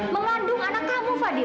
memandung anak kamu fadil